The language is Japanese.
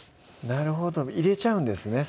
なるほど入れちゃうんですね